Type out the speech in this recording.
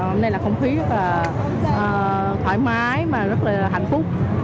hôm nay là không khí rất là thoải mái và rất là hạnh phúc